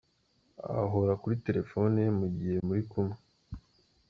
Ahora kuri telephone ye mu gihe muri kumwe.